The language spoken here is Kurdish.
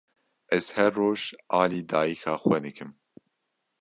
Ez her roj alî dayîka xwe dikim.